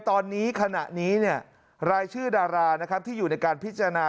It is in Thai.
ตอนนี้ขณะนี้รายชื่อดารานะครับที่อยู่ในการพิจารณา